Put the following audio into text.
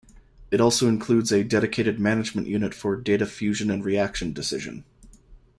It also includes a dedicated management unit for data fusion and reaction decision.